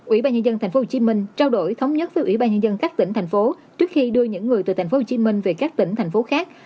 ủy ban nhân dân tp hcm trao đổi thống nhất với ủy ban nhân dân các tỉnh thành phố trước khi đưa những người từ tp hcm về các tỉnh thành phố khác